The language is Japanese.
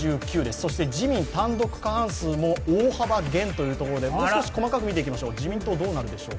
そして自民単独過半数も大幅減ということでもう少し細かく見ていきましょう。